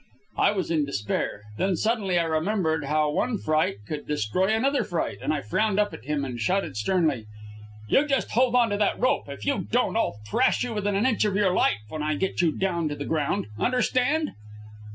I was in despair. Then, suddenly, I remembered how one fright could destroy another fright, and I frowned up at him and shouted sternly: "You just hold on to that rope! If you don't I'll thrash you within an inch of your life when I get you down on the ground! Understand?"